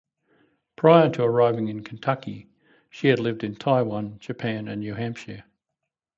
Prior to arriving in Kentucky, she had lived in Taiwan, Japan, and New Hampshire.